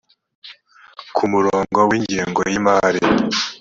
prevention and management frw ku murongo w ingengo y imari